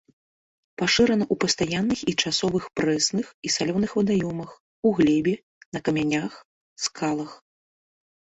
Пашырана ў пастаянных і часовых прэсных і салёных вадаёмах, у глебе, на камянях, скалах.